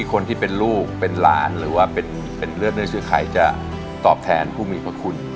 คนที่เป็นลูกเป็นหลานหรือว่าเป็นเลือดนี่คือใครจะตอบแทนผู้มีพระคุณ